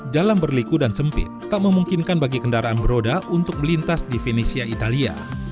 jalan berliku dan sempit tak memungkinkan bagi kendaraan beroda untuk melintas di venesia italia